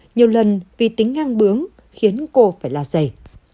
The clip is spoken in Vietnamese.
nhiều lần vì tính ngang bướng khiến cô phải la giày